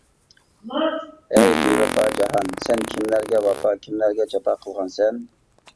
ھەي بىۋاپا جاھان سەن كىملەرگە ۋاپا كىملەرگە جاپا قىلغانسەن.